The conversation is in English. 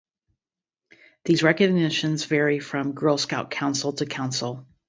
These recognitions vary from Girl Scout council to council.